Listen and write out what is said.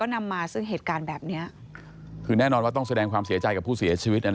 นำมาซึ่งเหตุการณ์แบบเนี้ยคือแน่นอนว่าต้องแสดงความเสียใจกับผู้เสียชีวิต